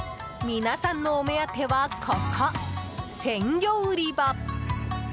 皆さんのお目当てはここ、鮮魚売り場。